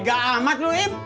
tega amat lu im